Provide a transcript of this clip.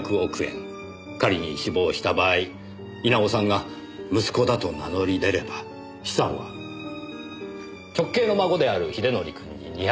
仮に死亡した場合稲尾さんが息子だと名乗り出れば資産は直系の孫である英則くんに２００億円。